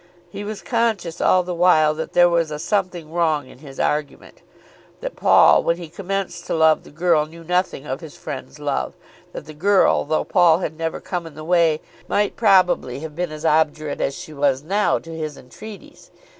He was conscious all the while that there was a something wrong in his argument, that Paul when he commenced to love the girl knew nothing of his friend's love, that the girl, though Paul had never come in the way, might probably have been as obdurate as she was now to his entreaties.